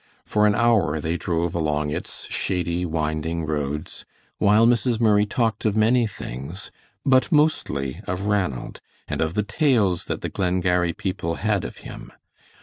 For an hour they drove along its shady, winding roads while Mrs. Murray talked of many things, but mostly of Ranald, and of the tales that the Glengarry people had of him.